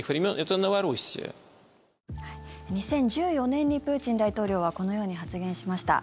２０１４年にプーチン大統領はこのように発言しました。